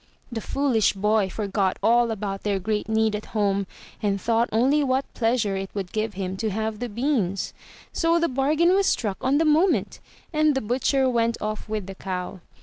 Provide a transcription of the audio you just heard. The foolish boy forgot all about their great need at home, and thought only what pleasure it would give him to have the beans. So the bargain was struck on the moment, and the butcher went off with the cow.